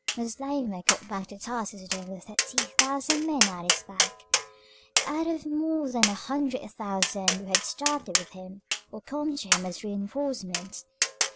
Moslemah got back to Tarsus with only thirty thousand men at his back, out of more than a hundred thousand who had started with him or come to him as reinforcements.